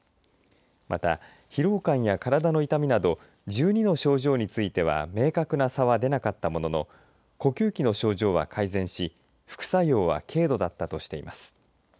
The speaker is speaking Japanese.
また、疲労感や体の痛みなど１２の症状については明確な差は出なかったものの呼吸器の症状は改善し副作用は軽度だったとしています。